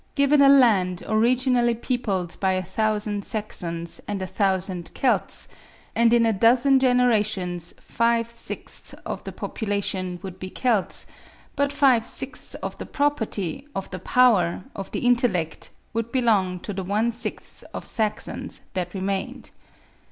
Given a land originally peopled by a thousand Saxons and a thousand Celts—and in a dozen generations five sixths of the population would be Celts, but five sixths of the property, of the power, of the intellect, would belong to the one sixth of Saxons that remained.